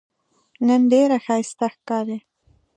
نن ډېره ښایسته ښکارې